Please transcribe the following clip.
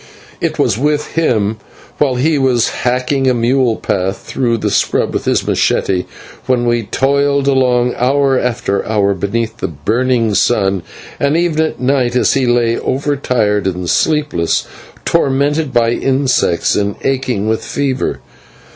It was with him while he was hacking a mule path through the scrub with his /machete/, when we toiled along hour after hour beneath the burning sun, and even at night as he lay over tired and sleepless, tormented by insects, and aching with fever.